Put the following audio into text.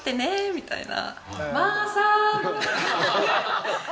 みたいな。